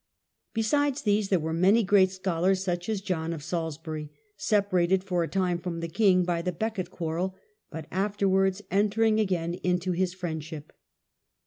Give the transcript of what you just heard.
Besides these there were many great scholars, such as John of Salisbury, separated for a time from the king by the Becket quarrel, but afterwards entering again into his friendship.